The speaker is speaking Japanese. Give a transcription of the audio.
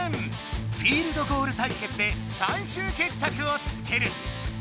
フィールドゴール対決で最終決着をつける！